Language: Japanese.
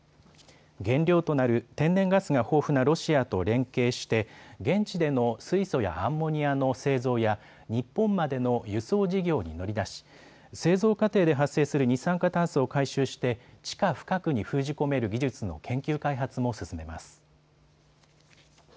原料となる天然ガスが豊富なロシアと連携して現地での水素やアンモニアの製造や日本までの輸送事業に乗り出し製造過程で発生する二酸化炭素を回収して地下深くに封じ込める技術の研究開発も進めます。